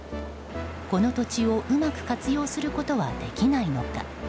この土地をうまく活用することはできないのか。